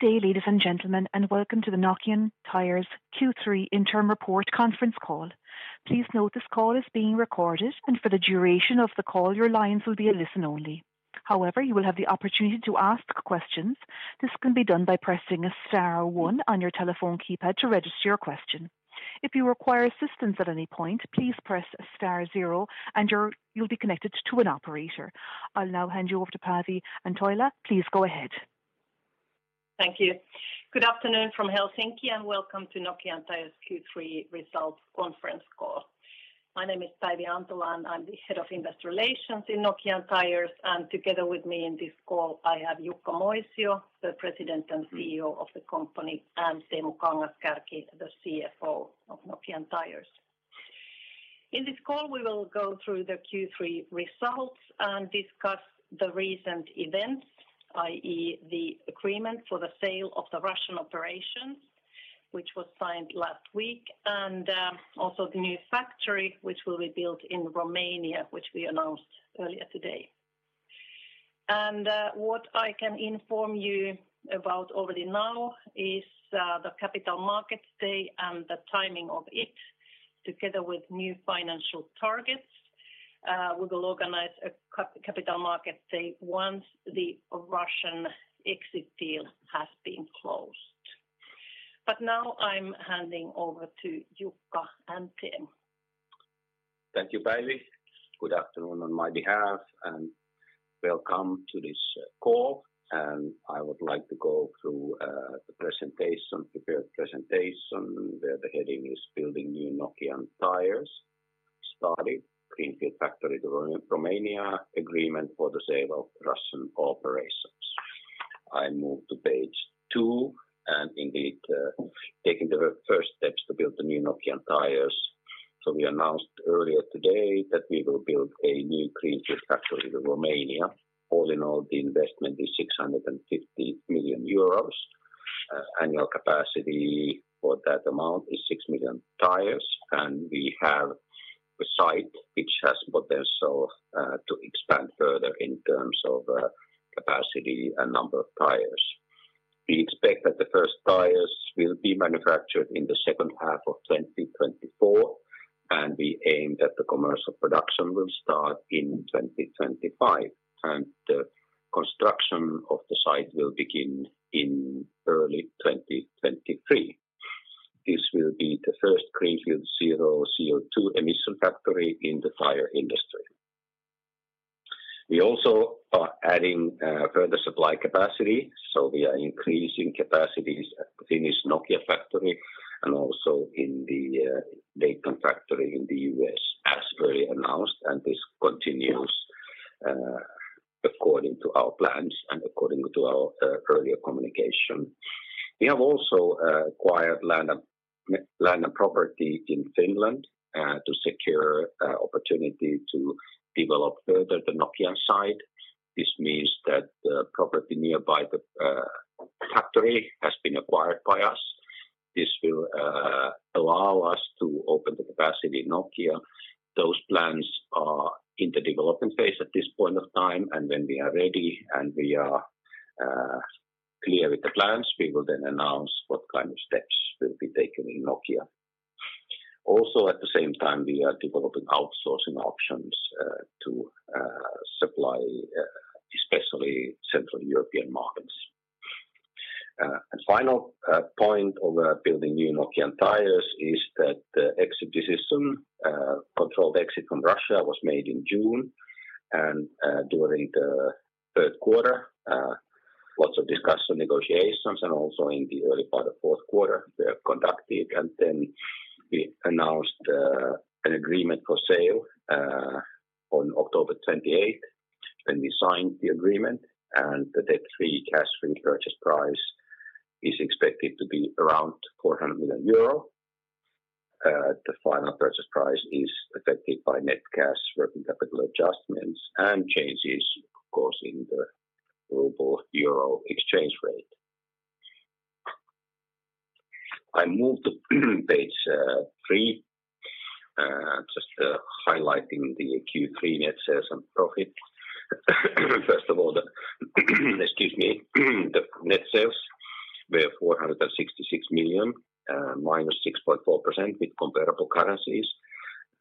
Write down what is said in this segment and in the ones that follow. Good day, ladies and gentlemen, and welcome to the Nokian Tyres Q3 interim report conference call. Please note this call is being recorded, and for the duration of the call, your lines will be listen-only. However, you will have the opportunity to ask questions. This can be done by pressing star one on your telephone keypad to register your question. If you require assistance at any point, please press star zero, you'll be connected to an operator. I'll now hand you over to Päivi Antola. Please go ahead. Thank you. Good afternoon from Helsinki, and welcome to Nokian Tyres Q3 results conference call. My name is Päivi Antola, and I'm the Head of Investor Relations in Nokian Tyres. Together with me in this call, I have Jukka Moisio, the President and CEO of the company, and Teemu Kangas-Kärki, the CFO of Nokian Tyres. In this call, we will go through the Q3 results and discuss the recent events, i.e. the agreement for the sale of the Russian operations, which was signed last week, and also the new factory which will be built in Romania, which we announced earlier today. What I can inform you about already now is the Capital Markets Day and the timing of it, together with new financial targets. We will organize a Capital Markets Day once the Russian exit deal has been closed. Now I'm handing over to Jukka and Teemu. Thank you, Päivi. Good afternoon on my behalf, and welcome to this call. I would like to go through the presentation, prepared presentation, where the heading is "Building New Nokian Tyres." Starting greenfield factory in Romania, agreement for the sale of Russian operations. I move to page two, and indeed, taking the first steps to build the new Nokian Tyres. We announced earlier today that we will build a new greenfield factory in Romania. All in all, the investment is 650 million euros. Annual capacity for that amount is 6 million tires, and we have a site which has potential to expand further in terms of capacity and number of tires. We expect that the first tires will be manufactured in the second half of 2024, and we aim that the commercial production will start in 2025, and the construction of the site will begin in early 2023. This will be the first greenfield zero CO2 emission factory in the tire industry. We also are adding further supply capacity, so we are increasing capacities at the Finnish Nokian factory and also in the Dayton factory in the U.S., as already announced, and this continues according to our plans and according to our earlier communication. We have also acquired land and property in Finland to secure opportunity to develop further the Nokian side. This means that the property nearby the factory has been acquired by us. This will allow us to open the capacity in Nokian. Those plans are in the development phase at this point of time, and when we are ready and we are clear with the plans, we will then announce what kind of steps will be taken in Nokian Tyres. Also, at the same time, we are developing outsourcing options to supply especially Central European markets. Final point of building new Nokian Tyres is that the exit decision, controlled exit from Russia, was made in June. During the third quarter, lots of discussion, negotiations, and also in the early part of fourth quarter were conducted, and then we announced an agreement for sale on October 28th, and we signed the agreement. The debt-free, cash-free purchase price is expected to be around 400 million euro. The final purchase price is affected by net cash, working capital adjustments, and changes causing the ruble-euro exchange rate. I move to page three. Just highlighting the Q3 net sales and profit. First of all, the net sales were 466 million, -6.4% with comparable currencies.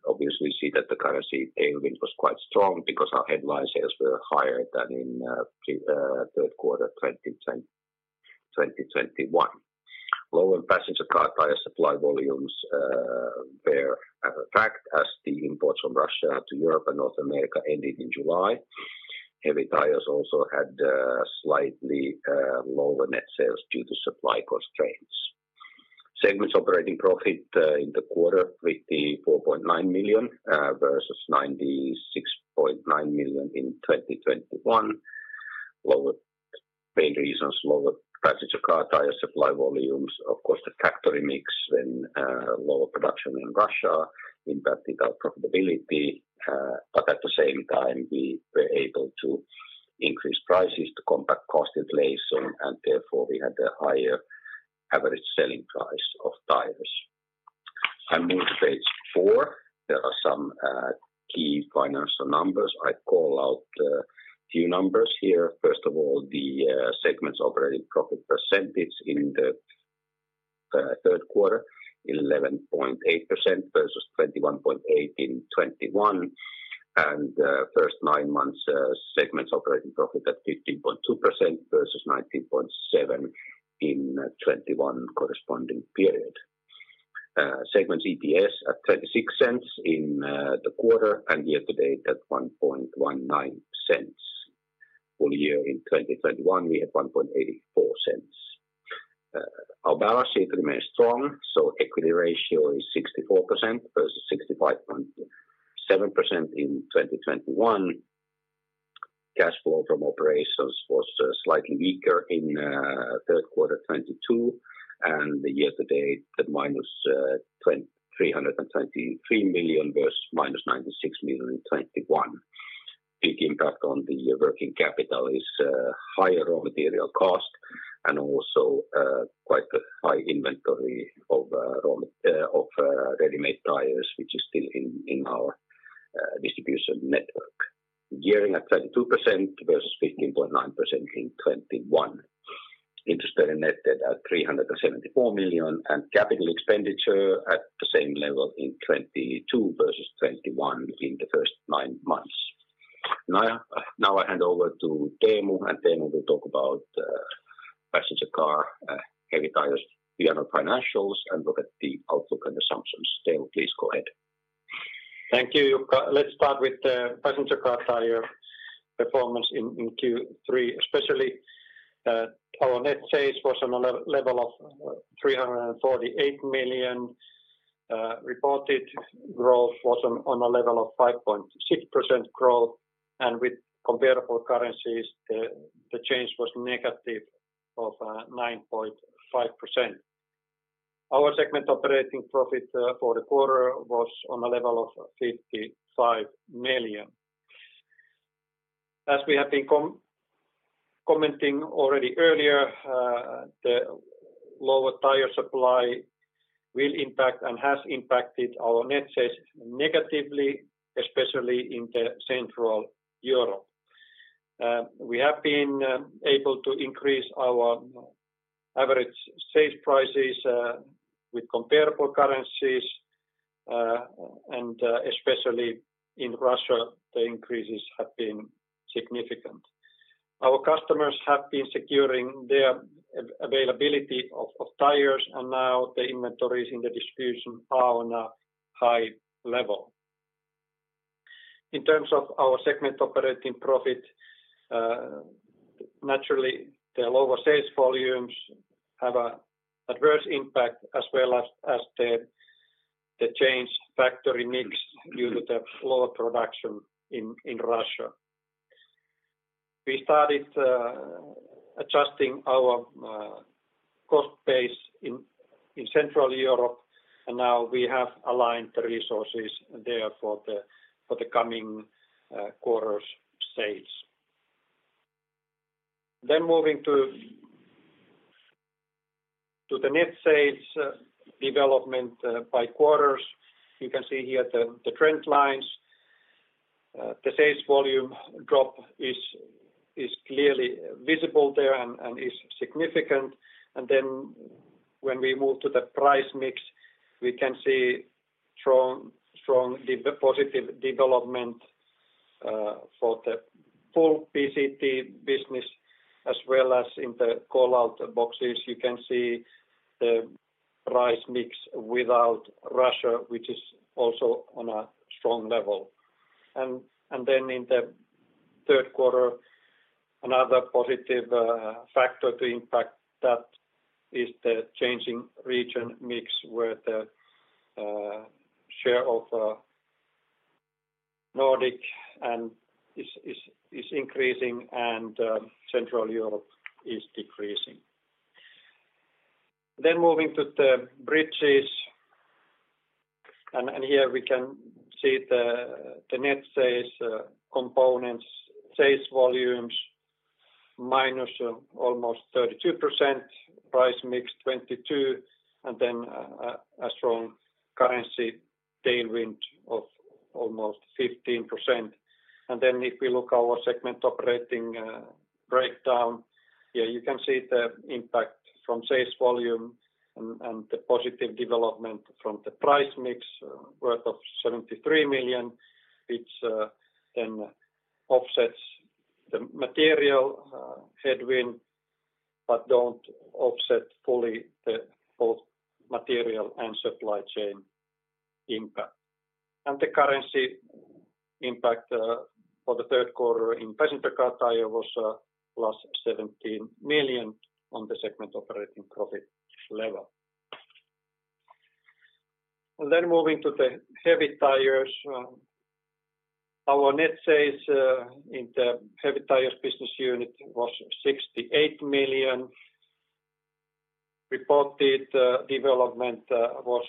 Obviously, we see that the currency tailwind was quite strong because our headline sales were higher than in third quarter 2021. Lower Passenger Car Tyres supply volumes but as a fact as the imports from Russia to Europe and North America ended in July. Heavy Tyres also had slightly lower net sales due to supply constraints. Segments operating profit in the quarter, 54.9 million versus 96.9 million in 2021. Main reasons, lower Passenger Car Tyres supply volumes, of course, the factory mix, when lower production in Russia impacted our profitability. At the same time, we were able to increase prices to combat cost inflation, and therefore, we had a higher average selling price of tires. Move to page four. There are some key financial numbers. I call out a few numbers here. First of all, the segment's operating profit percentage in the third quarter, 11.8% versus 21.8% in 2021. First nine months, segment's operating profit at 15.2% versus 19.7% in 2021 corresponding period. Segments EPS at 0.26 in the quarter and year-to-date at 1.19. Full year in 2021, we had 1.84. Our balance sheet remains strong, so equity ratio is 64% versus 65.7% in 2021. Cash flow from operations was slightly weaker in third quarter 2022, and year-to-date at -323 million versus -96 million in 2021. Big impact on the working capital is higher raw material cost and also quite a high inventory of ready-made tires, which is still in our distribution network. Gearing at 22% versus 15.9% in 2021. Interest-earning net debt at 374 million, and CapEx at the same level in 2022 versus 2021 in the first nine months. Now I hand over to Teemu, and Teemu will talk about Passenger Car, Heavy Tyres, the other financials, and look at the outlook and assumptions. Teemu, please go ahead. Thank you, Jukka. Let's start with the Passenger Car Tyres performance in Q3 especially. Our net sales was on a level of 348 million. Reported growth was on a level of 5.6% growth, and with comparable currencies, the change was -9.5%. Our segment operating profit for the quarter was on a level of 55 million. As we have been commenting already earlier, the lower tire supply will impact and has impacted our net sales negatively, especially in Central Europe. We have been able to increase our average sales prices with comparable currencies, and especially in Russia, the increases have been significant. Our customers have been securing their availability of tires, and now the inventories in the distribution are on a high level. In terms of our segment operating profit, naturally, the lower sales volumes have an adverse impact as well as the changed factory mix due to the lower production in Russia. We started adjusting our cost base in Central Europe, and now we have aligned the resources there for the coming quarters' sales. Moving to the net sales development by quarters. You can see here the trend lines. The sales volume drop is clearly visible there and is significant. When we move to the price mix, we can see strong positive development for the full PCT business, as well as in the call-out boxes, you can see the price mix without Russia, which is also on a strong level. In the third quarter, another positive factor to impact that is the changing region mix, where the share of Nordic and Asia is increasing and Central Europe is decreasing. Moving to the bridge. Here we can see the net sales components, sales volumes almost -32%, price mix 22%, and a strong currency tailwind of almost 15%. If we look at our segment operating breakdown, here you can see the impact from sales volume and the positive development from the price mix worth 73 million, which then offsets the material headwind, but doesn't offset fully both the material and supply chain impact. The currency impact for the third quarter in Passenger Car Tyres was +17 million on the segment operating profit level. Moving to the Heavy Tyres. Our net sales in the Heavy Tyres business unit was 68 million. Reported development was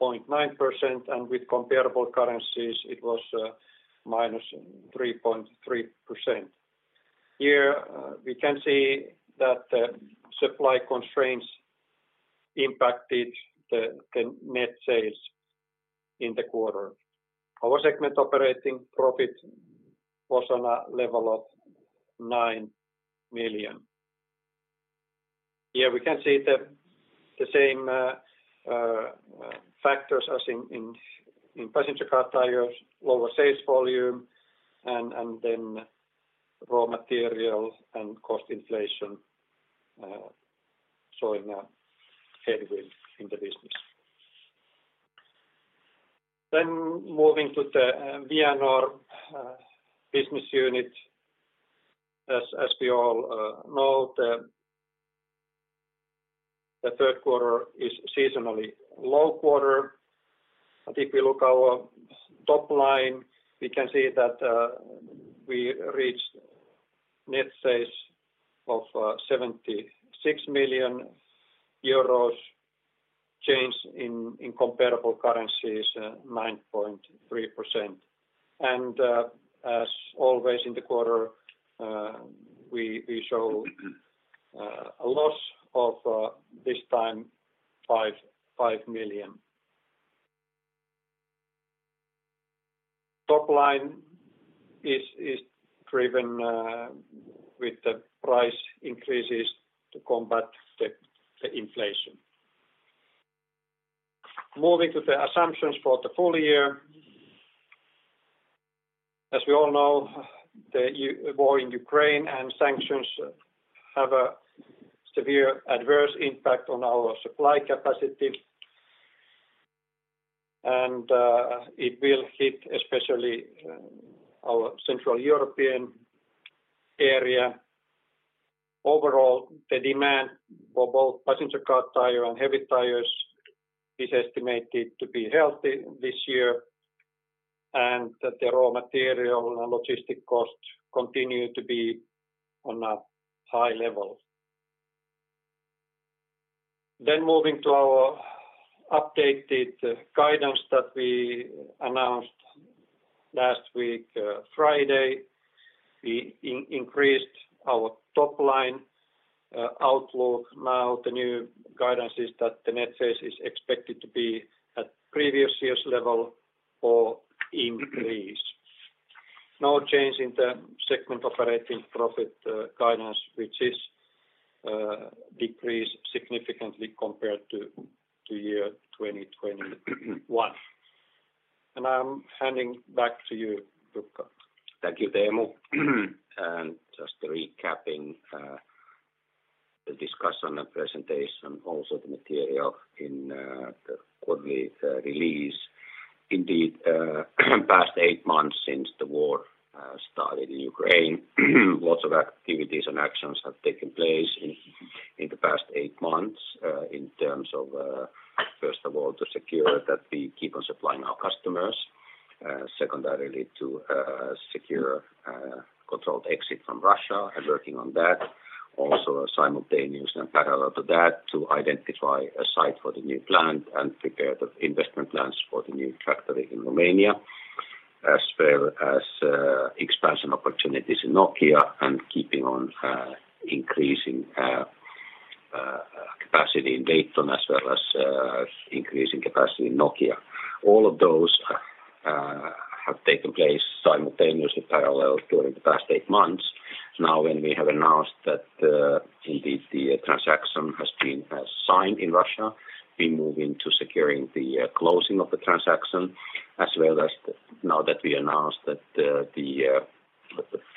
-0.9%, and with comparable currencies, it was -3.3%. Here, we can see that the supply constraints impacted the net sales in the quarter. Our segment operating profit was on a level of 9 million. Here we can see the same factors as in Passenger Car Tyres, lower sales volume, and then raw material and cost inflation showing a headwind in the business. Moving to the Vianor business unit. As we all know, the third quarter is seasonally low quarter. If we look at our top line, we can see that we reached net sales of 76 million euros, change in comparable currencies, 9.3%. As always in the quarter, we show a loss of this time EUR 5 million. Top line is driven with the price increases to combat the inflation. Moving to the assumptions for the full year. As we all know, the war in Ukraine and sanctions have a severe adverse impact on our supply capacity. It will hit especially our Central European area. Overall, the demand for both Passenger Car Tyres and Heavy Tyres is estimated to be healthy this year, and that the raw material and logistic costs continue to be on a high level. Moving to our updated guidance that we announced last week, Friday. We increased our top line outlook. Now the new guidance is that the net sales is expected to be at previous year's level or increase. No change in the segment operating profit guidance, which is decreased significantly compared to year 2021. I'm handing back to you, Jukka. Thank you, Teemu. Just recapping the discussion and presentation, also the material in the quarterly release. Indeed, past eight months since the war started in Ukraine, lots of activities and actions have taken place in the past eight months, in terms of, first of all, to secure that we keep on supplying our customers. Secondarily, to secure controlled exit from Russia and working on that. Also simultaneous and parallel to that, to identify a site for the new plant and prepare the investment plans for the new factory in Romania. As well as expansion opportunities in Nokian and keeping on increasing capacity in Dayton as well as increasing capacity in Nokian. All of those have taken place simultaneously parallel during the past eight months. Now, when we have announced that, indeed the transaction has been signed in Russia, we move into securing the closing of the transaction, as well as now that we announced that, the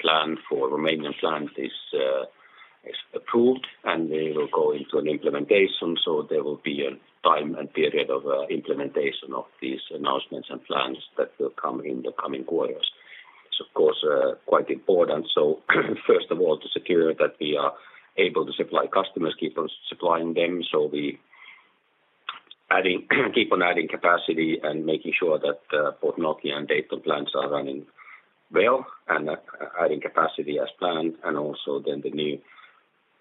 plan for Romanian plant is approved and will go into an implementation. There will be a time and period of implementation of these announcements and plans that will come in the coming quarters. It's of course quite important. First of all, to secure that we are able to supply customers, keep on supplying them. Keep on adding capacity and making sure that both Nokian and Dayton plants are running well and that adding capacity as planned. Also then the new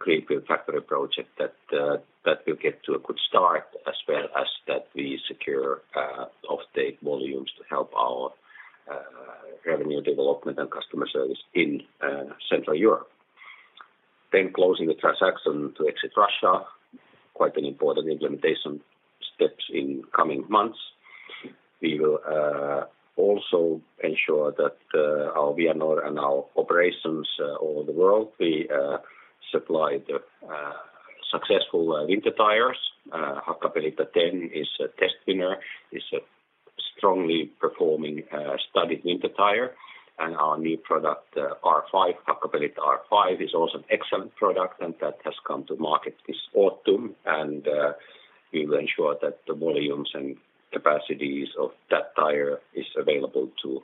greenfield factory project that will get to a good start, as well as that we secure off-take volumes to help our revenue development and customer service in Central Europe. Closing the transaction to exit Russia, quite an important implementation step in coming months. We will also ensure that our Vianor and our operations all over the world, we supply the successful winter tires. Hakkapeliitta 10 is a test winner, is a strongly performing studded winter tire. Our new product R5, Hakkapeliitta R5, is also an excellent product, and that has come to market this autumn. We will ensure that the volumes and capacities of that tire is available to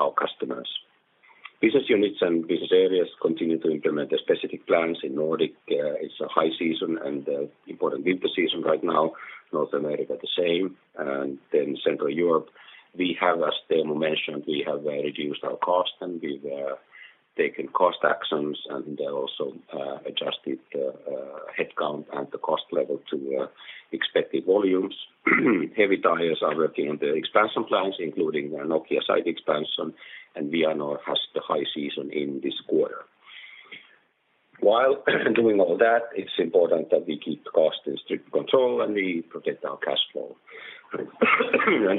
our customers. Business units and business areas continue to implement the specific plans. In Nordic, it's a high season and important winter season right now. North America, the same. Then Central Europe, we have, as Teemu mentioned, reduced our cost and we've taken cost actions and also adjusted the headcount and the cost level to expected volumes. Heavy Tyres are working on the expansion plans, including the Nokian site expansion, and Vianor has the high season in this quarter. While doing all that, it's important that we keep costs in strict control and we protect our cash flow.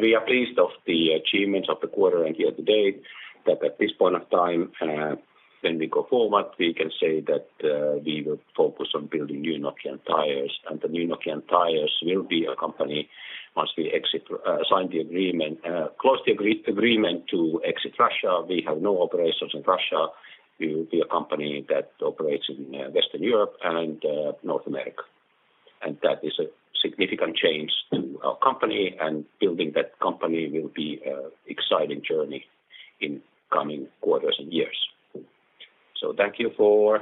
We are pleased of the achievements of the quarter and year-to-date that at this point of time, when we go forward, we can say that we will focus on building new Nokian Tyres. The new Nokian Tyres will be a company once we sign the agreement, close the agreement to exit Russia. We have no operations in Russia. We will be a company that operates in Western Europe and North America. That is a significant change to our company, and building that company will be exciting journey in coming quarters and years. Thank you for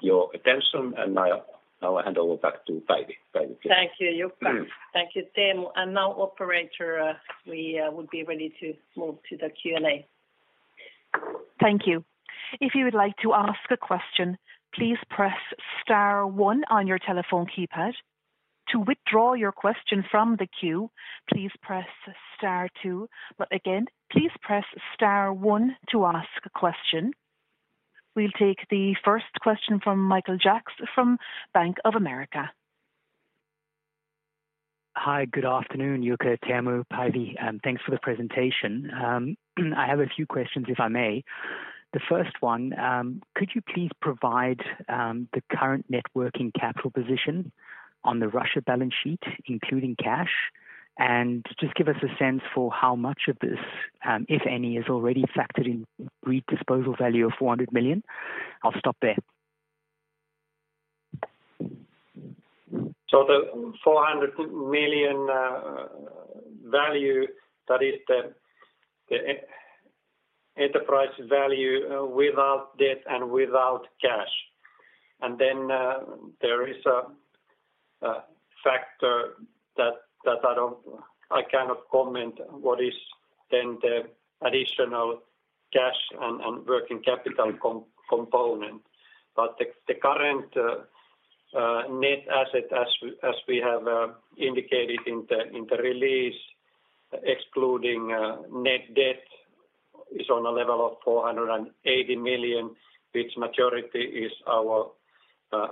your attention, and now I hand over back to Päivi. Päivi, please. Thank you, Jukka. Thank you, Teemu. Now, operator, we would be ready to move to the Q&A. Thank you. If you would like to ask a question, please press star one on your telephone keypad. To withdraw your question from the queue, please press star two. But again, please press star one to ask a question. We'll take the first question from Michael Jacks from Bank of America. Hi. Good afternoon, Jukka, Teemu, Päivi. Thanks for the presentation. I have a few questions, if I may. The first one, could you please provide the current net working capital position on the Russia balance sheet, including cash, and just give us a sense for how much of this, if any, is already factored in pre-disposal value of 400 million? I'll stop there. The 400 million value, that is the enterprise value without debt and without cash. Then there is a factor that I cannot comment what is then the additional cash and working capital component. The current net asset, as we have indicated in the release, excluding net debt, is on a level of 480 million, which majority is our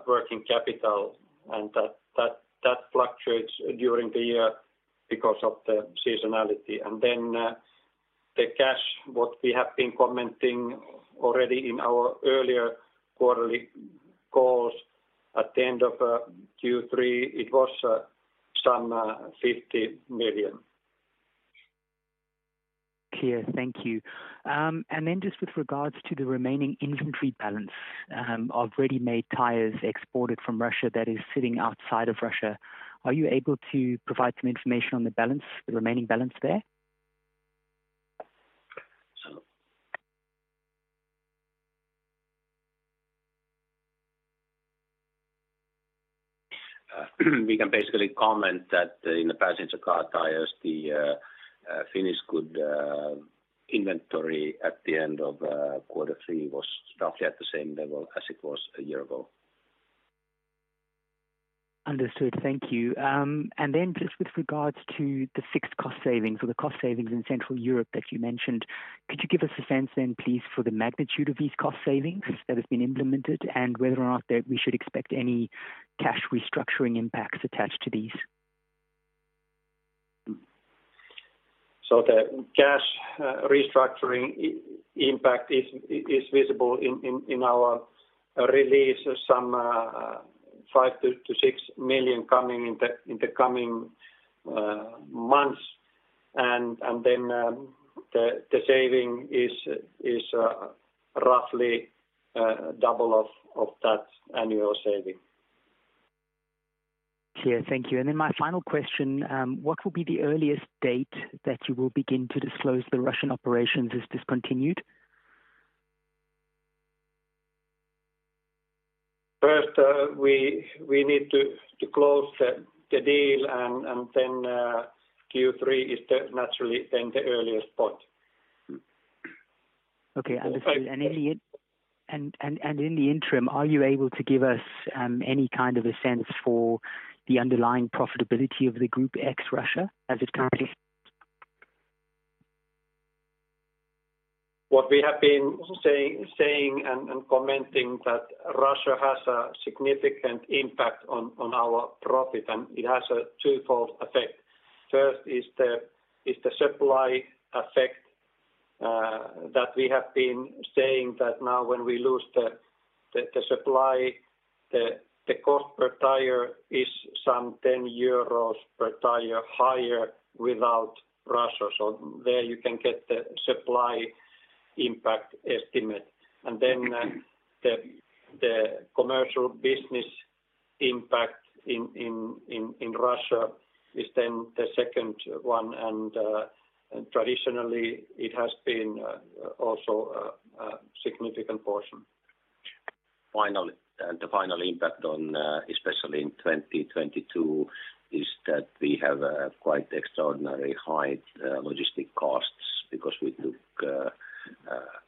working capital, and that fluctuates during the year because of the seasonality. Then the cash, what we have been commenting already in our earlier quarterly calls, at the end of Q3, it was some 50 million. Clear. Thank you. Just with regards to the remaining inventory balance, of ready-made tires exported from Russia that is sitting outside of Russia, are you able to provide some information on the balance, the remaining balance there? We can basically comment that in the Passenger Car Tyres, the finished goods inventory at the end of quarter three was roughly at the same level as it was a year ago. Understood. Thank you. Just with regards to the fixed cost savings or the cost savings in Central Europe that you mentioned, could you give us a sense then, please, for the magnitude of these cost savings that have been implemented and whether or not that we should expect any cash restructuring impacts attached to these? The cash restructuring impact is visible in our release of some 5-6 million coming in the coming months. The saving is roughly double of that annual saving. Clear. Thank you. My final question, what will be the earliest date that you will begin to disclose the Russian operations as discontinued? First, we need to close the deal and then Q3 is naturally the earliest point. Okay. Understood. But— In the interim, are you able to give us any kind of a sense for the underlying profitability of the Group ex-Russia as it currently? [inaudible] What we have been saying and commenting that Russia has a significant impact on our profit, and it has a twofold effect. First is the supply effect that we have been saying that now when we lose the supply, the cost per tire is some 10 euros per tire higher without Russia. So there you can get the supply impact estimate. Then the commercial business impact in Russia is then the second one. Traditionally, it has been also a significant portion. Finally, the final impact, especially in 2022, is that we have quite extraordinary high logistic costs because we took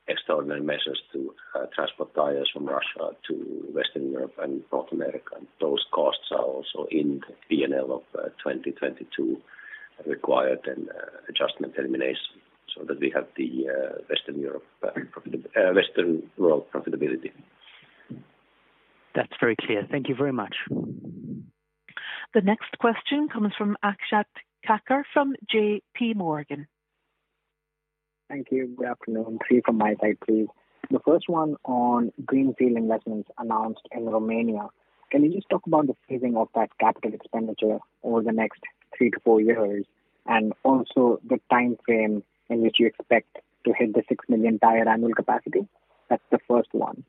extraordinary measures to transport tires from Russia to Western Europe and North America. Those costs are also in the P&L of 2022 required an adjustment eliminatio so that we have the Western world profitability. That's very clear. Thank you very much. The next question comes from Akshat Kacker from JPMorgan. Thank you. Good afternoon. Three from my side, please. The first one on greenfield investments announced in Romania. Can you just talk about the phasing of that CapEx over the next three to four years, and also the timeframe in which you expect to hit the 6 million tire annual capacity? That's the first one.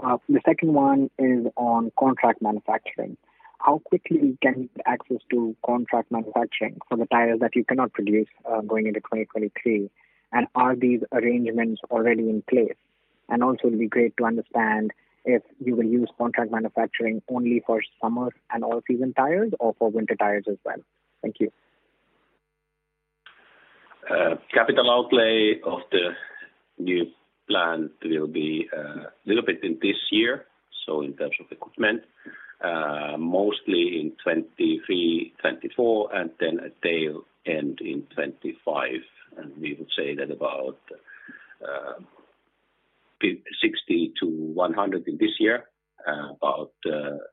The second one is on contract manufacturing. How quickly can you get access to contract manufacturing for the tires that you cannot produce, going into 2023? And are these arrangements already in place? And also it'd be great to understand if you will use contract manufacturing only for summer and all-season tires or for winter tires as well. Thank you. Capital outlay of the new plant will be a little bit in this year, so in terms of equipment. Mostly in 2023, 2024, and then a tail end in 2025. We would say that about 60 million-100 million in this year, about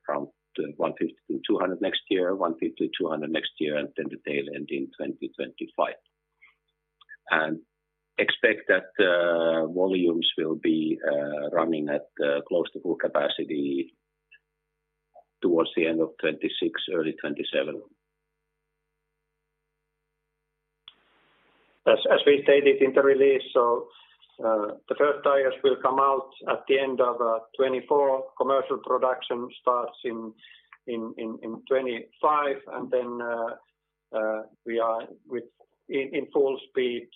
from 150 million-200 million next year, and then the tail end in 2025. Expect that volumes will be running at close to full capacity towards the end of 2026, early 2027. As we stated in the release, the first tires will come out at the end of 2024. Commercial production starts in 2025 and then we are in full speed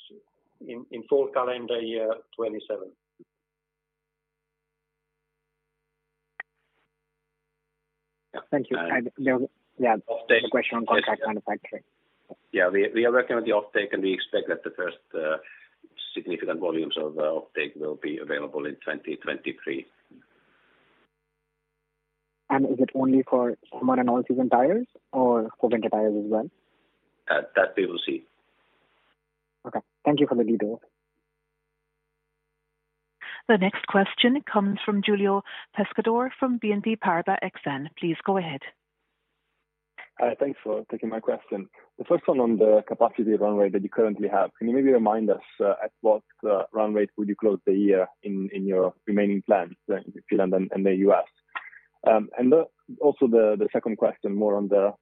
in full calendar year 2027. Thank you. And—yeah. The offtake— The question on contract manufacturing. Yeah. We are working on the offtake, and we expect that the first significant volumes of the offtake will be available in 2023. Is it only for summer and all-season tires or for winter tires as well? That we will see. Okay. Thank you for the detail. The next question comes from Giulio Pescatore from BNP Paribas Exane. Please go ahead. Thanks for taking my question. The first one on the capacity runway that you currently have. Can you maybe remind us at what runway would you close the year in in your remaining plants in Finland and the U.S.? Also the second question more on the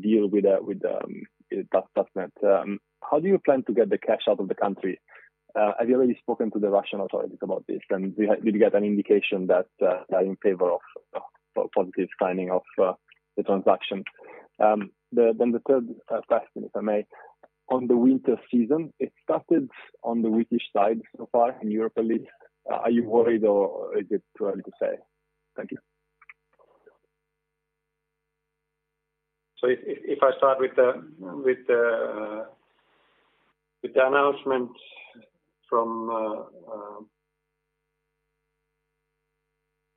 deal with Tatneft. How do you plan to get the cash out of the country? Have you already spoken to the Russian authorities about this? And did you get an indication that they're in favor of positive signing of the transaction? The third question, if I may. On the winter season, it started on the weak-ish side so far in Europe at least. Are you worried or is it too early to say? Thank you. If I start with the announcement from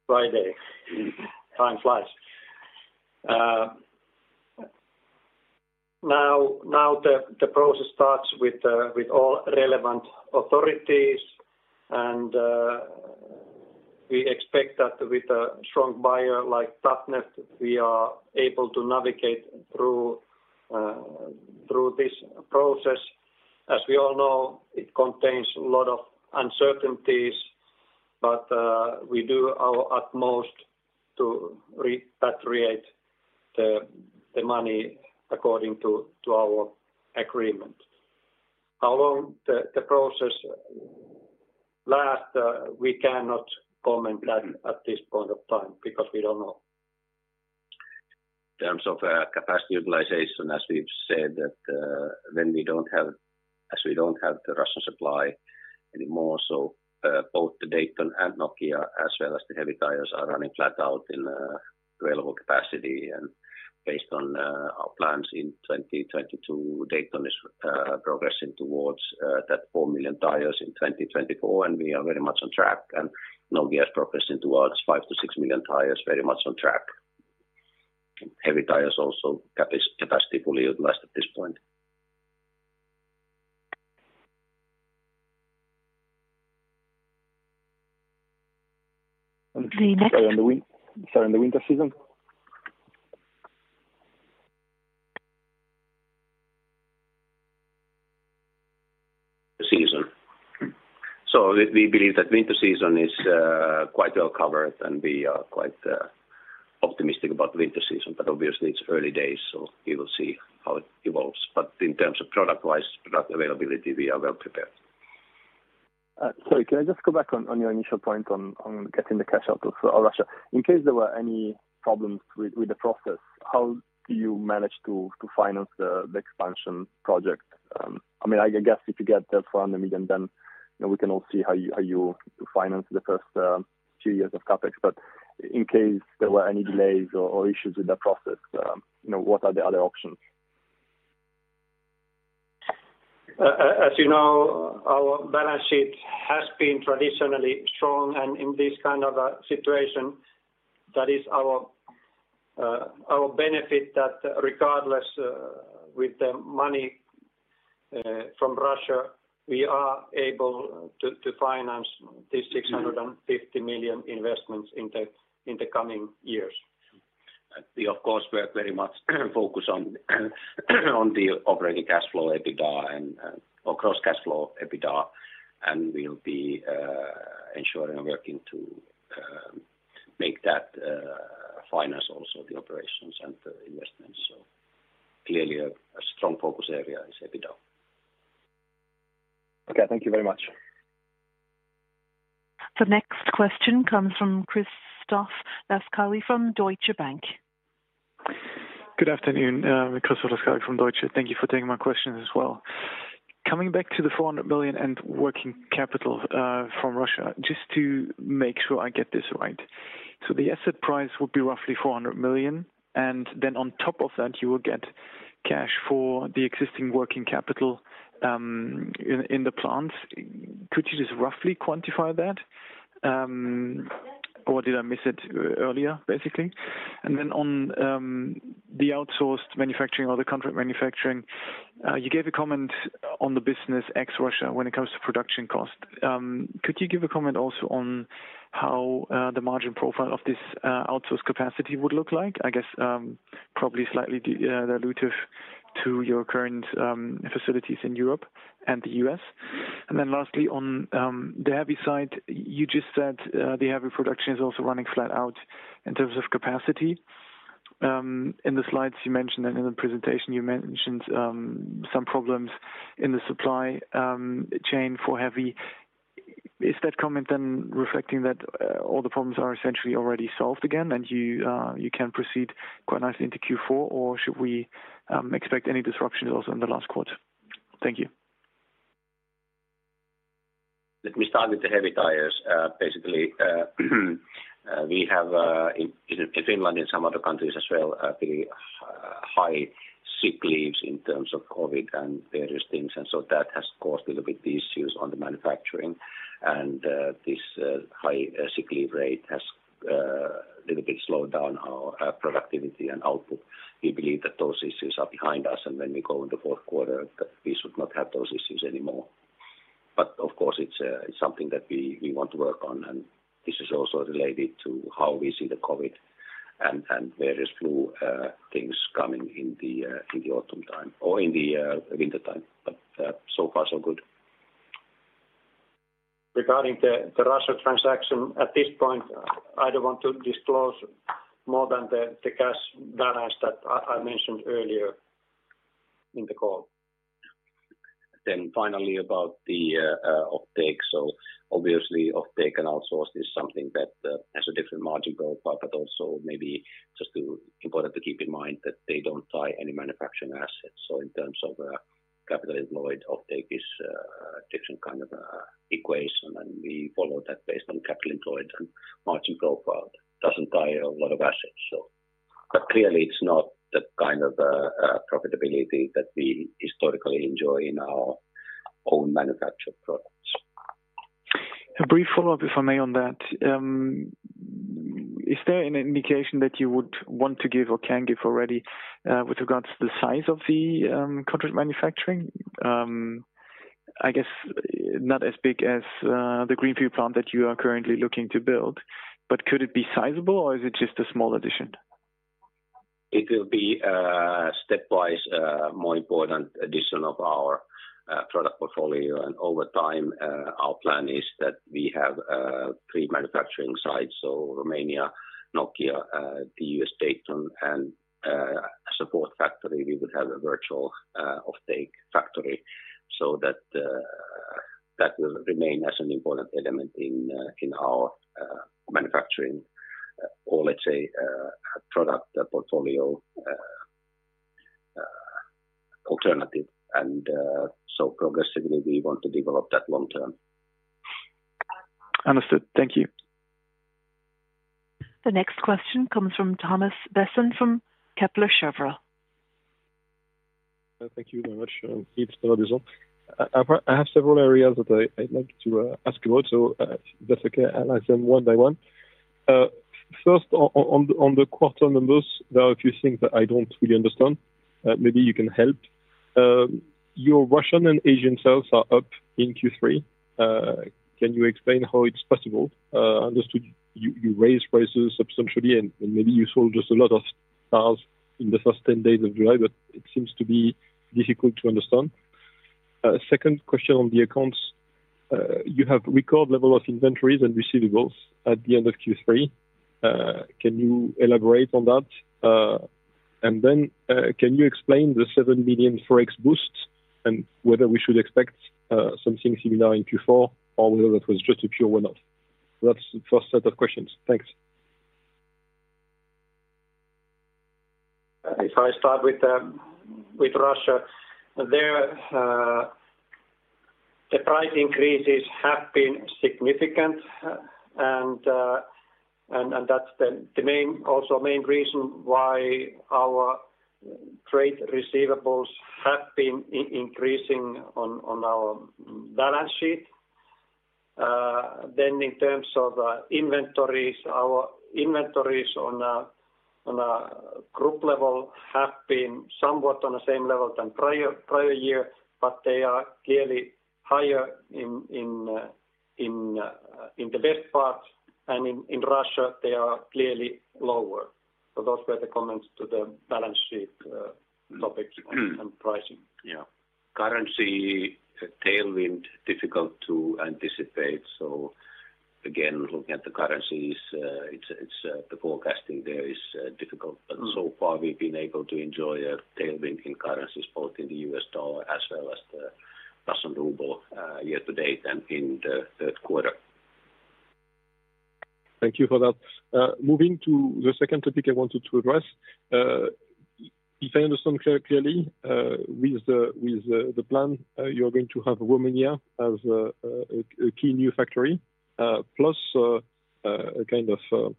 Friday. Time flies. Now the process starts with all relevant authorities, and we expect that with a strong buyer like Tatneft, we are able to navigate through this process. As we all know, it contains a lot of uncertainties, but we do our utmost to repatriate the money according to our agreement. How long the process lasts, we cannot comment that at this point of time because we don't know. In terms of capacity utilization, as we've said, as we don't have the Russian supply anymore, both the Dayton and Nokian as well as the Heavy Tyres are running flat out in available capacity. Based on our plans in 2022, Dayton is progressing towards that 4 million tires in 2024, and we are very much on track. Nokian is progressing towards 5-6 million tires, very much on track. Heavy Tyres also capacity fully utilized at this point. The next— Sorry, on the winter season. The season. We believe that winter season is quite well covered, and we are quite optimistic about winter season. Obviously it's early days, so we will see how it evolves. In terms of product-wise, product availability, we are well prepared. Sorry, can I just go back on your initial point on getting the cash out of Russia. In case there were any problems with the process, how do you manage to finance the expansion project? I mean, I guess if you get the EUR 400 million, then you know, we can all see how you finance the first two years of CapEx. In case there were any delays or issues with that process, you know, what are the other options? As you know, our balance sheet has been traditionally strong. In this kind of a situation, that is our benefit that regardless with the money from Russia, we are able to finance this 650 million investments in the coming years. We of course work very much focused on the operating cash flow, EBITDA and free cash flow, EBITDA. We'll be ensuring and working to make that finance also the operations and the investments. Clearly a strong focus area is EBITDA. Okay. Thank you very much. The next question comes from Christoph Laskawi from Deutsche Bank. Good afternoon. Christoph Laskawi from Deutsche Bank. Thank you for taking my questions as well. Coming back to the 400 million and working capital from Russia, just to make sure I get this right. So the asset price would be roughly 400 million, and then on top of that, you will get cash for the existing working capital in the plants. Could you just roughly quantify that? Or did I miss it earlier, basically? On the outsourced manufacturing or the contract manufacturing, you gave a comment on the business ex Russia when it comes to production cost. Could you give a comment also on how the margin profile of this outsourced capacity would look like? I guess probably slightly dilutive to your current facilities in Europe and the U.S. Then lastly, on the Heavy side, you just said the Heavy production is also running flat out in terms of capacity. In the slides you mentioned and in the presentation you mentioned some problems in the supply chain for Heavy. Is that comment then reflecting that all the problems are essentially already solved again and you can proceed quite nicely into Q4, or should we expect any disruptions also in the last quarter? Thank you. Let me start with the Heavy Tyres. Basically, we have in Finland and some other countries as well, pretty high sick leaves in terms of COVID and various things. This high sick leave rate has little bit slowed down our productivity and output. We believe that those issues are behind us, and when we go in the fourth quarter, that we should not have those issues anymore. Of course, it's something that we want to work on, and this is also related to how we see the COVID and various flu things coming in the autumn time or in the wintertime. So far so good. Regarding the Russia transaction, at this point I don't want to disclose more than the cash balance that I mentioned earlier in the call. Finally about the offtake. Obviously offtake and outsource is something that has a different margin profile, but also maybe just important to keep in mind that they don't tie any manufacturing assets. In terms of capital employed, offtake is a different kind of equation, and we follow that based on capital employed and margin profile. Doesn't tie a lot of assets. Clearly it's not the kind of profitability that we historically enjoy in our own manufactured products. A brief follow-up, if I may, on that. Is there any indication that you would want to give or can give already, with regards to the size of the contract manufacturing? I guess not as big as the greenfield plant that you are currently looking to build, but could it be sizable or is it just a small addition? It will be a stepwise, more important addition of our product portfolio. Over time, our plan is that we have three manufacturing sites. Romania, Nokia, the U.S. Dayton and support factory. We would have a virtual offtake factory. That will remain as an important element in our manufacturing or let's say, product portfolio alternative. Progressively, we want to develop that long term. Understood. Thank you. The next question comes from Thomas Besson from Kepler Cheuvreux. Thank you very much. I'm I have several areas that I'd like to ask you about, so if that's okay, I'll ask them one by one. First on the quarter numbers, there are a few things that I don't really understand, maybe you can help. Your Russian and Asian sales are up in Q3. Can you explain how it's possible? I understand you raised prices substantially and maybe you sold just a lot of tires in the first ten days of July, but it seems to be difficult to understand. Second question on the accounts. You have record level of inventories and receivables at the end of Q3. Can you elaborate on that? Can you explain the 7 million forex boost and whether we should expect something similar in Q4 or whether that was just a pure one-off? That's the first set of questions. Thanks. If I start with Russia. There the price increases have been significant. That's also the main reason why our trade receivables have been increasing on our balance sheet. In terms of inventories. Our inventories on a group level have been somewhat on the same level as prior year, but they are clearly higher in the best part; in Russia they are clearly lower. Those were the comments to the balance sheet topics on pricing. Yeah. Currency tailwind, difficult to anticipate. Again, looking at the currencies, it's the forecasting there is difficult. So far we've been able to enjoy a tailwind in currencies, both in the U.S. dollar as well as the Russian ruble, year-to-date and in the third quarter. Thank you for that. Moving to the second topic I wanted to address. If I understand clearly, with the plan, you're going to have Romania as a key new factory, plus a kind of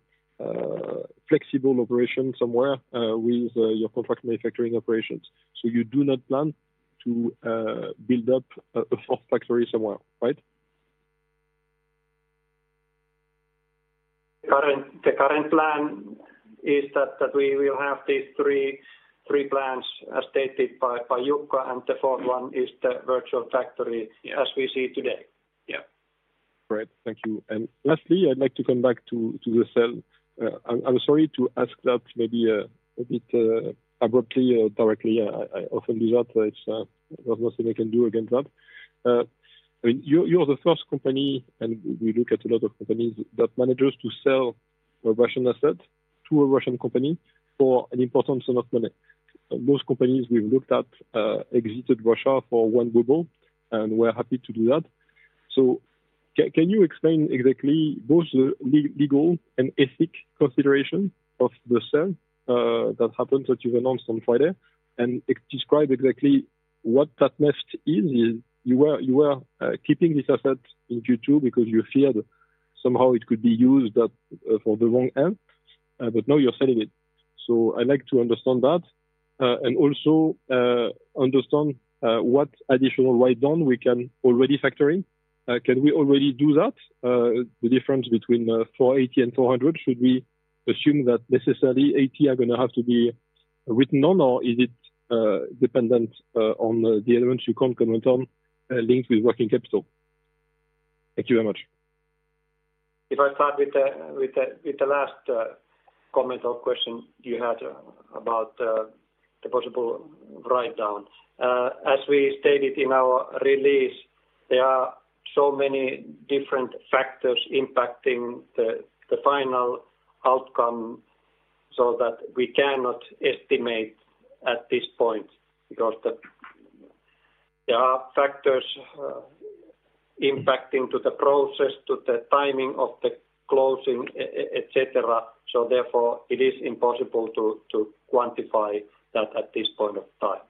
flexible operation somewhere, with your contract manufacturing operations. You do not plan to build up a fourth factory somewhere, right? The current plan is that we will have these three plants, as stated by Jukka, and the fourth one is the virtual factory as we see today. Yeah. Great. Thank you. Lastly, I'd like to come back to the sale. I'm sorry to ask that maybe a bit abruptly or directly. I often do that. There's nothing I can do against that. I mean, you are the first company, and we look at a lot of companies that managed to sell a Russian asset to a Russian company for an important sum of money. Most companies we've looked at exited Russia for 1 ruble, and we're happy to do that. Can you explain exactly both the legal and ethical considerations of the sale that you announced on Friday, and describe exactly what that nets? You were keeping this asset in Q2 because you feared somehow it could be used for the wrong end, but now you're selling it. I'd like to understand that, and also understand what additional write down we can already factor in. Can we already do that? The difference between 480 million and 400 million, should we assume that necessarily 80 million are gonna have to be written off or is it dependent on the elements you can't comment on, linked with working capital? Thank you very much. If I start with the last comment or question you had about the possible write-down. As we stated in our release, there are so many different factors impacting the final outcome so that we cannot estimate at this point. Because there are factors impacting the process, the timing of the closing, et cetera. Therefore it is impossible to quantify that at this point of time.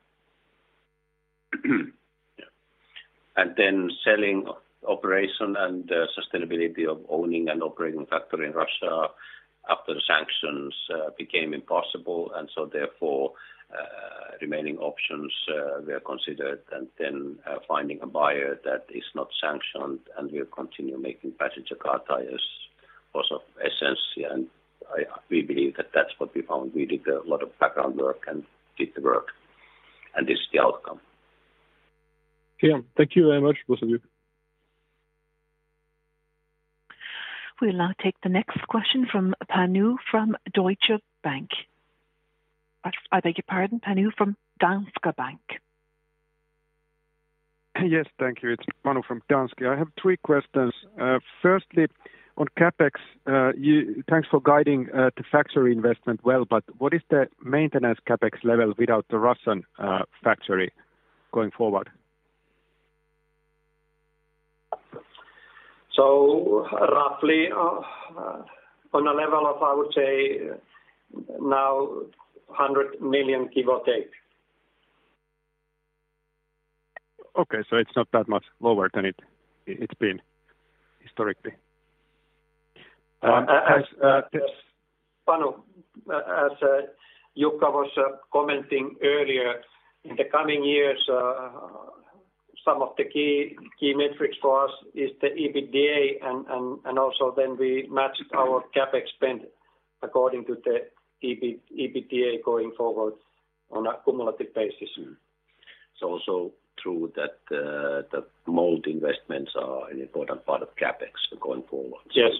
Selling operation and sustainability of owning and operating factory in Russia after the sanctions became impossible. Remaining options were considered, and then finding a buyer that is not sanctioned and will continue making Passenger Car Tyres was of essence. We believe that that's what we found. We did a lot of background work and did the work, and this is the outcome. Okay. Thank you very much, both of you. We'll now take the next question from Panu from Deutsche Bank. I beg your pardon, Panu from Danske Bank. Yes, thank you. It's Panu from Danske. I have three questions. Firstly, on CapEx, thanks for guiding the factory investment well, but what is the maintenance CapEx level without the Russian factory going forward? Roughly, on a level of, I would say now 100 million, give or take. Okay. It's not that much lower than it's been historically. As, uh, this—Panu, as Jukka was commenting earlier, in the coming years, some of the key metrics for us is the EBITDA and also then we match our CapEx spend according to the EBITDA going forward on a cumulative basis. It's also true that the mold investments are an important part of CapEx going forward. Yes.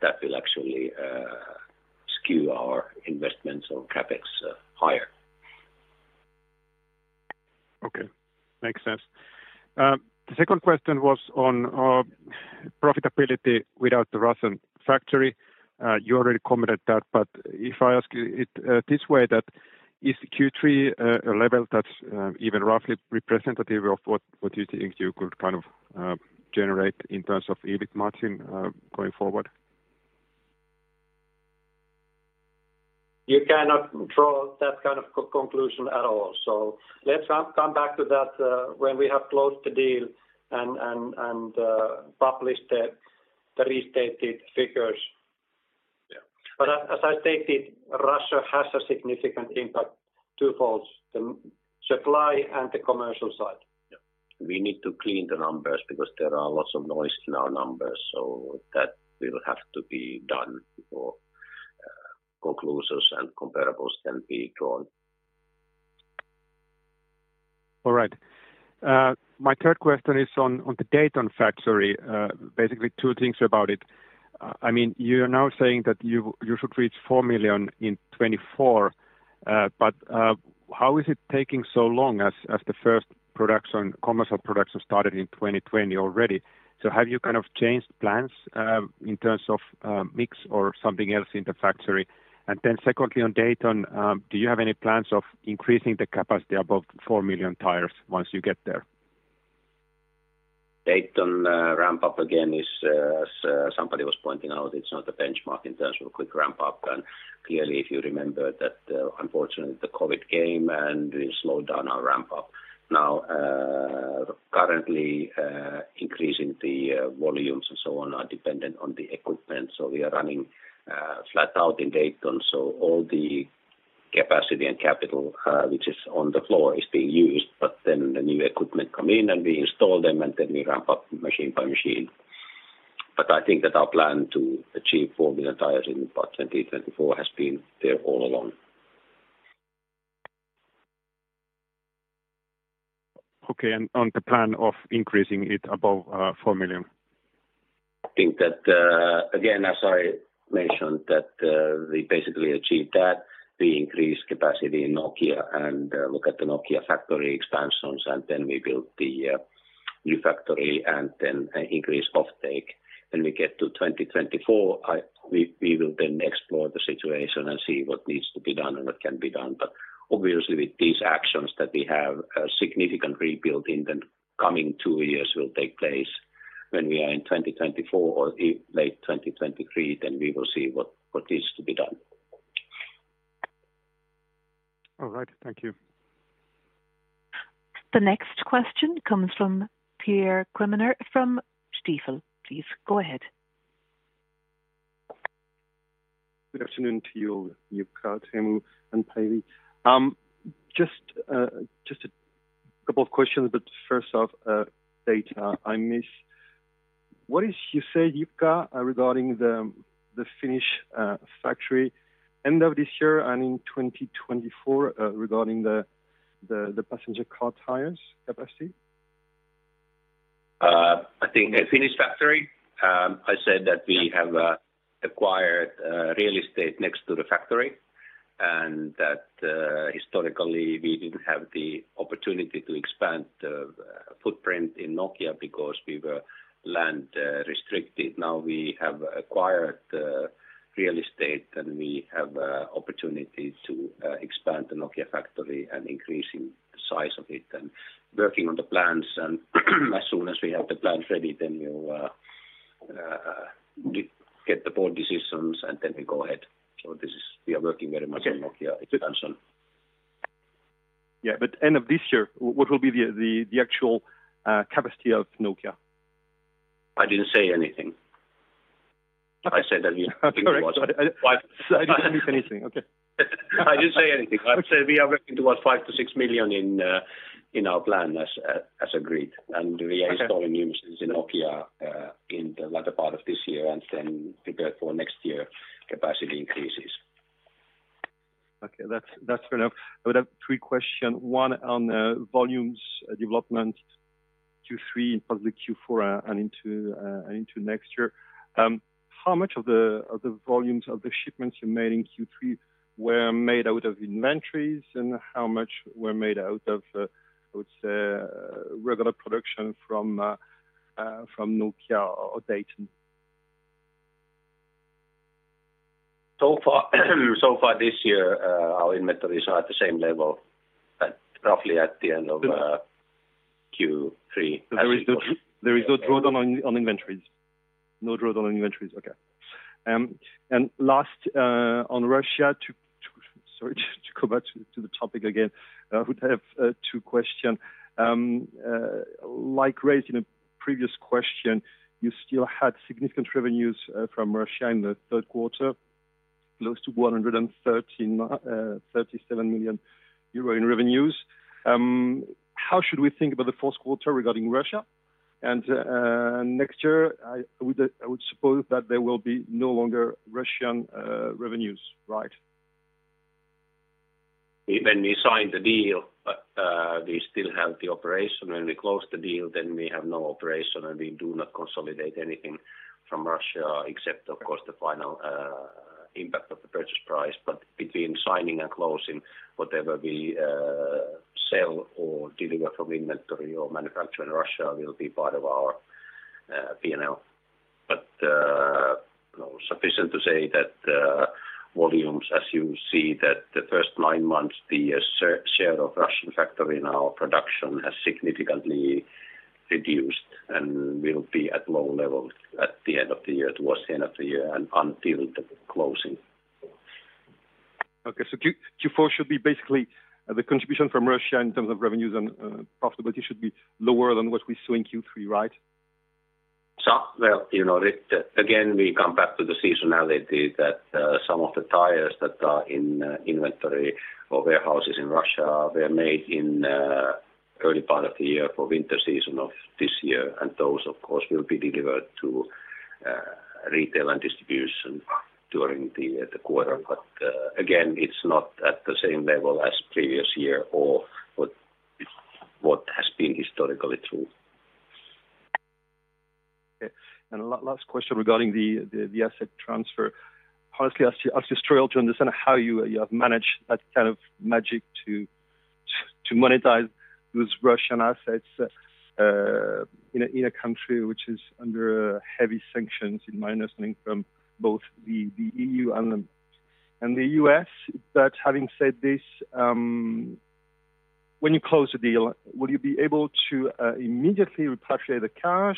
That will actually skew our investments on CapEx higher. Okay. Makes sense. The second question was on profitability without the Russian factory. You already commented that, but if I ask it this way, that is Q3, a level that's even roughly representative of what you think you could kind of generate in terms of EBIT margin, going forward? You cannot draw that kind of conclusion at all. Let's come back to that when we have closed the deal and published the restated figures. As I stated, Russia has a significant impact, twofold, the supply and the commercial side. Yeah. We need to clean the numbers because there are lots of noise in our numbers, so that will have to be done before conclusions and comparables can be drawn. All right. My third question is on the Dayton factory. Basically two things about it. I mean, you're now saying that you should reach 4 million in 2024. How is it taking so long as the first production, commercial production started in 2020 already? Have you kind of changed plans in terms of mix or something else in the factory? Secondly, on Dayton, do you have any plans of increasing the capacity above 4 million tires once you get there? Dayton ramp-up again is, as somebody was pointing out, it's not a benchmark in terms of a quick ramp up. Clearly, if you remember that, unfortunately the COVID came and we slowed down our ramp-up. Now, currently, increasing the volumes and so on are dependent on the equipment. We are running flat out in Dayton, so all the capacity and capital which is on the floor is being used. Then the new equipment come in and we install them, and then we ramp up machine by machine. I think that our plan to achieve 4 million tires in about 2024 has been there all along. Okay. On the plan of increasing it above 4 million. I think that, again, as I mentioned that, we basically achieved that. We increased capacity in Nokian and, look at the Nokian factory expansions, and then we built the, new factory and then increased offtake. When we get to 2024, we will then explore the situation and see what needs to be done and what can be done. Obviously, with these actions that we have a significant rebuild in the coming two years will take place. When we are in 2024 or late 2023, then we will see what needs to be done. All right. Thank you. The next question comes from Pierre Quemener from Stifel. Please go ahead. Good afternoon to you, Jukka, Teemu, and Päivi. Just a couple of questions, but first off, did I miss what did you say, Jukka, regarding the Finnish factory end of this year and in 2024, regarding the Passenger Car Tyres capacity? I think the Finnish factory. I said that we have acquired real estate next to the factory, and that historically we didn't have the opportunity to expand the footprint in Nokia because we were land restricted. Now we have acquired the real estate, and we have opportunity to expand the Nokia factory and increasing the size of it and working on the plans. As soon as we have the plans ready, then we'll get the board decisions, and then we go ahead. This is. We are working very much on Nokia expansion. End of this year, what will be the actual capacity of Nokian Tyres? I didn't say anything. I said that we— Correct. I didn't miss anything. Okay. I didn't say anything. I said we are working towards 5-6 million in our plan as agreed, and we are installing new machines in Nokian in the latter part of this year and then prepared for next year capacity increases. Okay. That's fair enough. I would have three question, one on volumes development Q3 and probably Q4 and into next year. How much of the volumes of the shipments you made in Q3 were made out of inventories, and how much were made out of, I would say, regular production from Nokian or Dayton? So far this year, our inventories are at the same level at roughly at the end of Q3. There is no draw-down on inventories. No draw-down on inventories. Okay. Last on Russia, sorry, to go back to the topic again. I would have two questions. Like raised in a previous question, you still had significant revenues from Russia in the third quarter, close to 137 million euro in revenues. How should we think about the fourth quarter regarding Russia? Next year, I would suppose that there will be no longer Russian revenues, right? When we sign the deal, we still have the operation. When we close the deal, then we have no operation, and we do not consolidate anything from Russia except, of course, the final impact of the purchase price. Between signing and closing, whatever we sell or deliver from inventory or manufacture in Russia will be part of our P&L. Sufficient to say that volumes, as you see that the first nine months, the share of Russian factory in our production has significantly reduced and will be at low levels at the end of the year, towards the end of the year and until the closing. Okay, Q4 should be basically the contribution from Russia in terms of revenues and profitability should be lower than what we saw in Q3, right? Well, you know, it again we come back to the seasonality that some of the tires that are in inventory or warehouses in Russia were made in early part of the year for winter season of this year. Those, of course, will be delivered to retail and distribution during the quarter. Again, it's not at the same level as previous year or what has been historically true. Okay. Last question regarding the asset transfer. Honestly, I was just trying to understand how you have managed that kind of magic to monetize those Russian assets in a country which is under heavy sanctions, in my understanding, from both the EU and the U.S. Having said this, when you close the deal, will you be able to immediately repatriate the cash,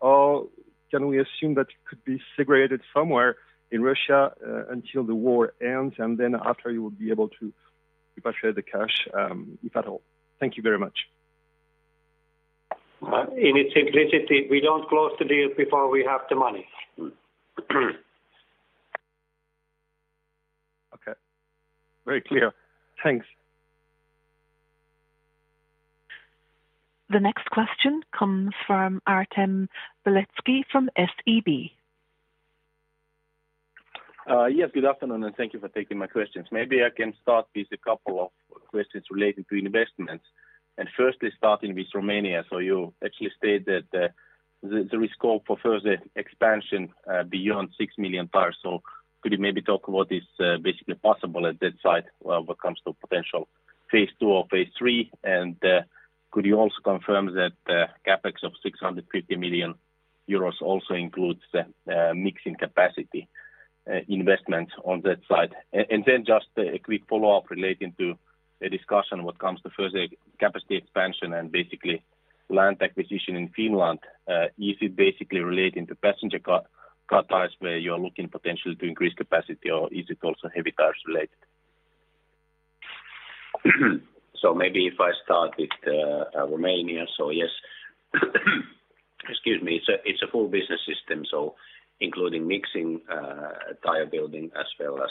or can we assume that it could be segregated somewhere in Russia until the war ends, and then after you will be able to repatriate the cash, if at all? Thank you very much. In its simplicity, we don't close the deal before we have the money. Okay. Very clear. Thanks. The next question comes from Artem Beletski from SEB. Yes. Good afternoon, and thank you for taking my questions. Maybe I can start with a couple of questions relating to investments. Firstly, starting with Romania. You actually said that there is scope for further expansion beyond 6 million tires. Could you maybe talk about this basically possible at that side when it comes to potential phase two or phase three? Could you also confirm that CapEx of 650 million euros also includes the mixing capacity investment on that side? Then just a quick follow-up relating to a discussion when it comes to further capacity expansion and basically land acquisition in Finland. Is it basically relating to Passenger Car Tyres, where you're looking potentially to increase capacity or is it also Heavy Tyres related? Maybe if I start with Romania. Yes, excuse me. It's a full business system, so including mixing, tire building as well as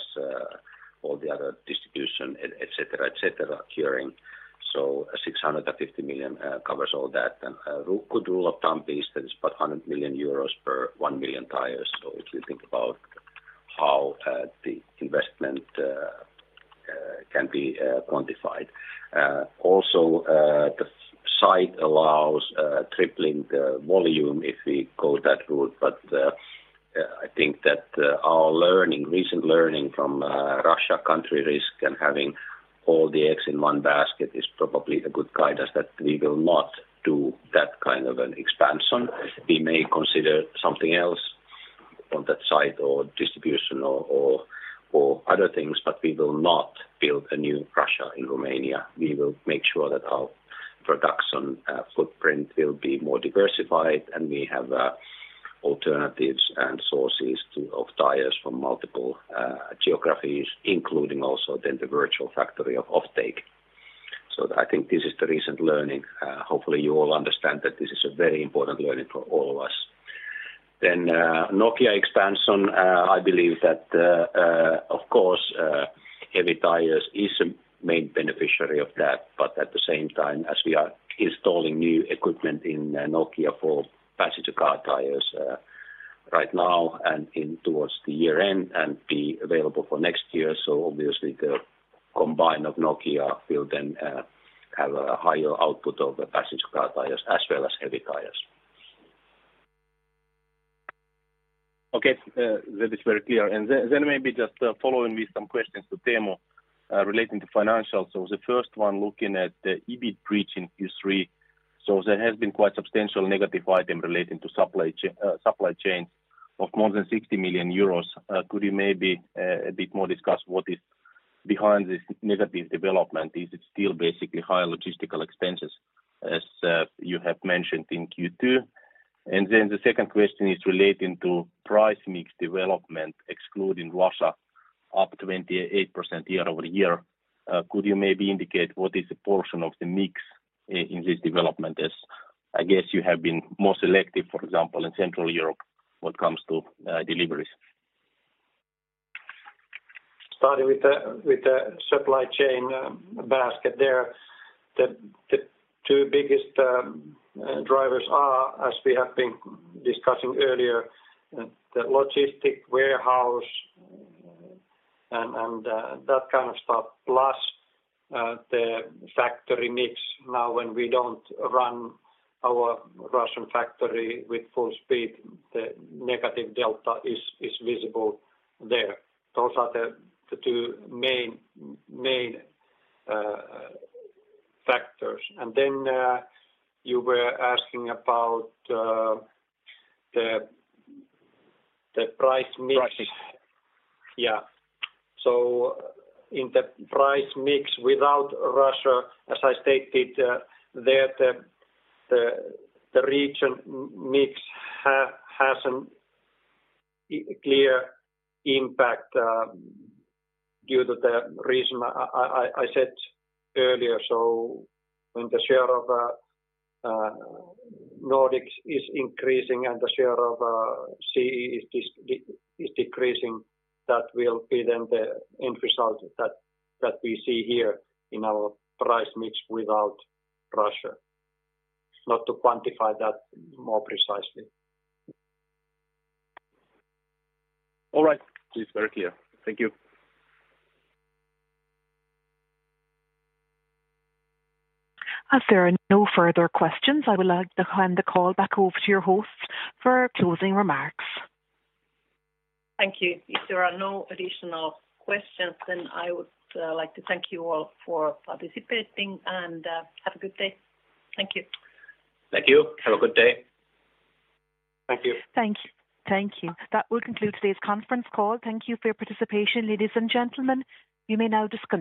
all the other distribution, et cetera, curing. 650 million covers all that. A rough rule of thumb is that it's about 100 million euros per 1 million tires. If you think about how the investment can be quantified. Also, the site allows tripling the volume if we go that route. I think that our recent learning from Russia country risk and having all the eggs in one basket is probably a good guidance that we will not do that kind of an expansion. We may consider something else on that site or distribution or other things, but we will not build a new Russia in Romania. We will make sure that our production footprint will be more diversified and we have alternatives and sources of Tyres from multiple geographies, including also then the virtual factory of offtake. I think this is the recent learning. Hopefully, you all understand that this is a very important learning for all of us. Nokian expansion, I believe that of course Heavy Tyres is a main beneficiary of that. But at the same time, as we are installing new equipment in Nokian for Passenger Car Tyres right now and into the year end and be available for next year. Obviously the combined Nokian will then have a higher output of the Passenger Car Tyres as well as Heavy Tyres. Okay. That is very clear. Maybe just following with some questions to Teemu, relating to financials. The first one looking at the EBIT bridge in Q3. There has been quite substantial negative item relating to supply chain of more than 60 million euros. Could you maybe a bit more discuss what is behind this negative development? Is it still basically higher logistical expenses as you have mentioned in Q2? The second question is relating to price mix development excluding Russia, up 28% year-over-year. Could you maybe indicate what is the portion of the mix in this development as, I guess, you have been more selective, for example, in Central Europe when it comes to deliveries. Starting with the supply chain basket there. The two biggest drivers are, as we have been discussing earlier, the logistic warehouse and that kind of stuff. Plus, the factory mix now when we don't run our Russian factory with full speed, the negative delta is visible there. Those are the two main factors. You were asking about the price mix. Prices. Yeah. In the price mix without Russia, as I stated, there the region mix has a clear impact, due to the reason I said earlier. When the share of Nordics is increasing and the share of CE is decreasing, that will be then the end result that we see here in our price mix without Russia. It's hard to quantify that more precisely. All right. It is very clear. Thank you. As there are no further questions, I will hand the call back over to your host for closing remarks. Thank you. If there are no additional questions, then I would like to thank you all for participating, and have a good day. Thank you. Thank you. Have a good day. Thank you. Thank you. That will conclude today's conference call. Thank you for your participation, ladies and gentlemen. You may now disconnect.